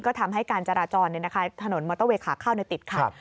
ก็ทำให้การจรจรนะคะธนดรมอเตอร์เวทขาดข้าวในติดขัด